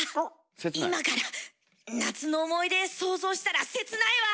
今から夏の思い出想像したら切ないわ。